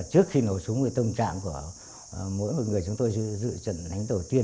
trước khi nổ súng với tâm trạng của mỗi một người chúng tôi dự trận đánh đầu tiên